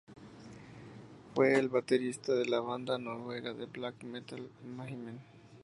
Fue el baterista de la banda noruega de black metal Mayhem.